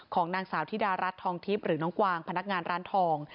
ของนางสาวธิดารัฐทองทิพย์หรือน้องกวางพนักงานร้านทอง